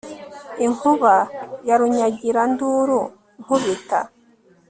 inkuba ya Runyagiranduru nkubita